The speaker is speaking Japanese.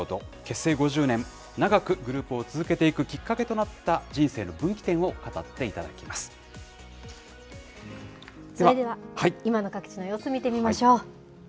結成５０年、長くグループを続けていくきっかけとなった人生の分それでは今の各地の様子、見てみましょう。